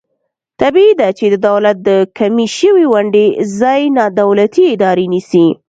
طبعي ده چې د دولت د کمې شوې ونډې ځای نا دولتي ادارې نیسي.